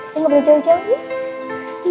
kita boleh jauh jauh ya